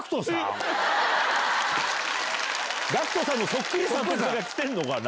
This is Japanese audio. ＧＡＣＫＴさんのそっくりさんとかが来てんのかな？